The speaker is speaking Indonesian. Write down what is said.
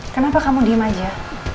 kenapa kamu diam aja